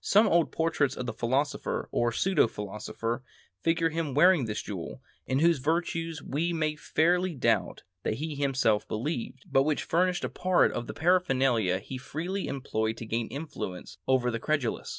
Some old portraits of the philosopher, or pseudo philosopher, figure him wearing this jewel, in whose virtues we may fairly doubt that he himself believed, but which furnished part of the paraphernalia be freely employed to gain influence over the credulous.